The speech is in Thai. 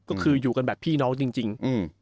ก็คืออยู่กันแบบพี่น้องจริงอืม